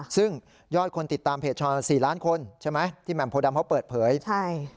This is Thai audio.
ซึ่งยอดคนติดตามเพจช้อนสี่ล้านคนใช่ไหมที่แหม่มโพดำเขาเปิดเผยใช่